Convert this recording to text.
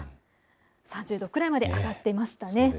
３０度くらいまで上がっていました。